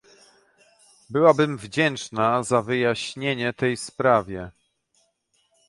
Byłabym wdzięczna za wyjaśnienie tej sprawie